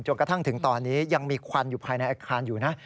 กระทั่งถึงตอนนี้ยังมีควันอยู่ภายในอาคารอยู่นะ